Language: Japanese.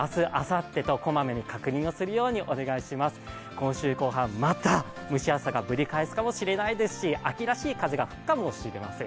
今週後半、また蒸し暑さがぶり返すかもしれないですし秋らしい風が吹くかもしれません。